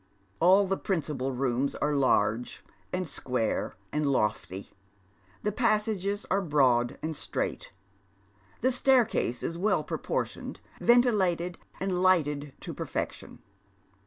All the principal rooms are large and square and lofty. The passages are broad and straight. The staircase is weU propor tioned, ventilated and lighted to perfection.